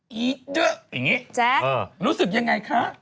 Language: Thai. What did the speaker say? ด้วยอย่างนี้แจ๊ครู้สึกยังไงคะ